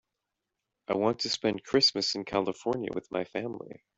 I want to spend Christmas in California with my family.